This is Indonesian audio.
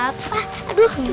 apa apa aduh gini